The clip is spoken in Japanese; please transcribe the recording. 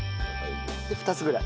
２つぐらい？